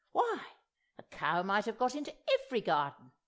Why, a cow might have got into every garden!